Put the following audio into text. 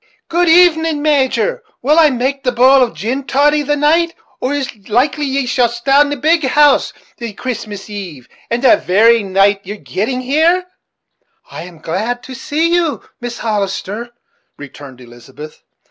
Good even, Major; will I make the bowl of gin toddy the night, or it's likely ye'll stay at the big house the Christmas eve, and the very night of yer getting there?" "I am glad to see you, Mrs. Hollister," returned Elizabeth.